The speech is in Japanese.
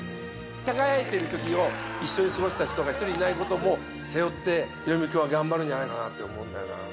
輝いてるときを一緒に過ごした人が１人いないことも背負って、ヒロミ君は頑張るんじゃないかなって思うんだよな。